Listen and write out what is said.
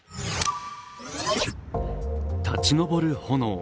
立ち上る炎。